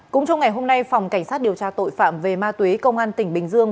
cũng trong ngày hôm nay phòng cảnh sát điều tra tội phạm về ma túy công an tỉnh bình dương